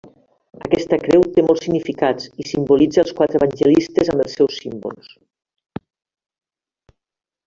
Aquesta creu té molts significats i simbolitza els quatre evangelistes amb els seus símbols.